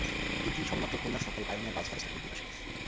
ইতি সবেমাত্র খুলনার সরকারি পাইওনিয়ার গার্লস কলেজ থেকে ডিগ্রি পাস করল।